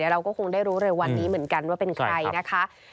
เราก็คงได้รู้เร็ววันนี้เหมือนกันว่าเป็นใครนะคะ